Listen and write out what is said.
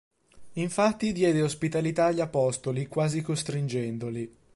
Infatti diede ospitalità agli Apostoli, quasi costringendoli.